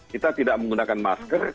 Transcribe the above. kita tidak menggunakan masker